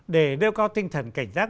để đeo cao tinh thần cảnh giác